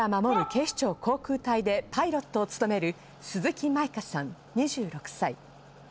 警視庁航空隊でパイロットを務める鈴木米香さん、２６歳。